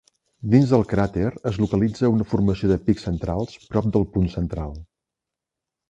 Dins del cràter es localitza una formació de pics centrals prop del punt central.